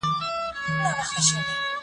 ایله به پوه شې، چې په تا هغه میینه نجلۍ